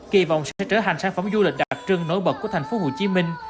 kỳ vọng sẽ trở thành sản phẩm du lịch đặc trưng nổi bật của thành phố hồ chí minh